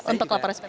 untuk lapor spt